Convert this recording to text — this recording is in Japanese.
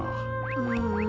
ううん。